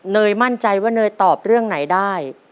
มั่นใจว่าเนยตอบเรื่องไหนได้